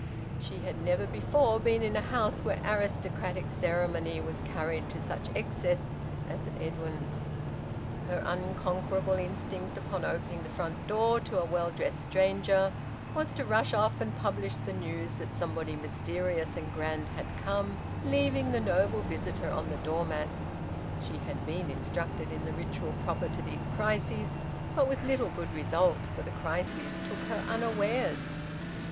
She had never before been in a house where aristocratic ceremony was carried to such excess as at Edwin's. Her unconquerable instinct, upon opening the front door to a well dressed stranger, was to rush off and publish the news that somebody mysterious and grand had come, leaving the noble visitor on the door mat. She had been instructed in the ritual proper to these crises, but with little good result, for the crises took her unawares.